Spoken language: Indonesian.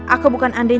aku bukan andainya